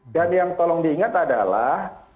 dan yang tolong diingat adalah